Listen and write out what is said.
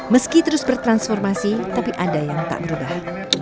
meski terus bertransformasi tapi ada yang tak berubah